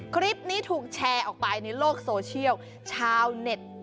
คลิปนี้ถูกแชร์มองมาในโลกโซเชี่ยวชาวแชร์